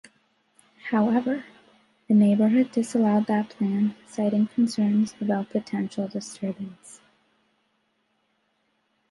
However, the neighborhood disallowed that plan, citing concerns about potential disturbance.